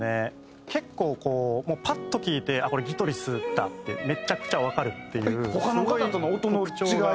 結構こうもうパッと聴いてあっこれギトリスだってめちゃくちゃわかるっていうすごい特徴が。